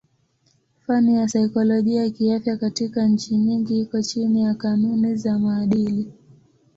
Fani ya saikolojia kiafya katika nchi nyingi iko chini ya kanuni za maadili.